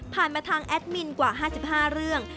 มาทางแอดมินกว่า๕๕เรื่อง